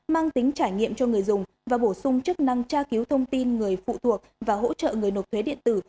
mang tính trải nghiệm cho người dùng và bổ sung chức năng tra cứu thông tin người phụ thuộc và hỗ trợ người nộp thuế điện tử